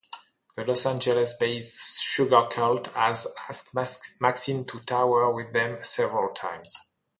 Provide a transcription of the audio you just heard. The Los Angeles based Sugarcult has asked Maxeen to tour with them several times.